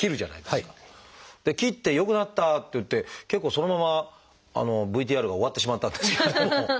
切って良くなったっていって結構そのままＶＴＲが終わってしまったんですけれども。